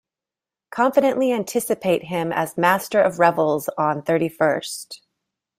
Confidently anticipate him as Master of Revels on thirty-first.